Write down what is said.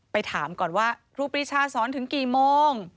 ถามก่อนว่าครูปรีชาสอนถึงกี่โมง